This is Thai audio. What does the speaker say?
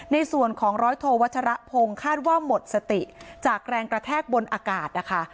ในส่วนของร้อยโทวัชรพงศ์คาดว่าหมดสติจากแรงกระแทกบนอากาศนะคะ